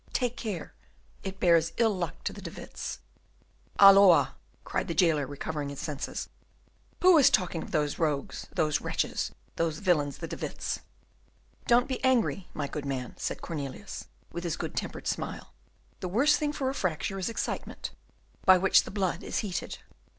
Take care, it bears ill luck to the De Witts!" "Halloa!" cried the jailer, recovering his senses, "who is talking of those rogues, those wretches, those villains, the De Witts?" "Don't be angry, my good man," said Cornelius, with his good tempered smile, "the worst thing for a fracture is excitement, by which the blood is heated."